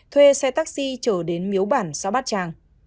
thuê xe taxi trở đến miếu bản xã bát tràng